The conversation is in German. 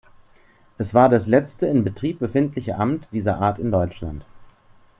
Es war das letzte in Betrieb befindliche Amt dieser Art in Deutschland.